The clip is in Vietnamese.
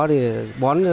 để bón trồng rau